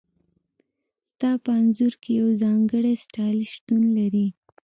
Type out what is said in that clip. ستا په انځور کې یو ځانګړی سټایل شتون لري